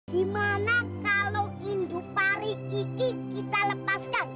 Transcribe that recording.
gimana kalau indu pari kiki kita lepaskan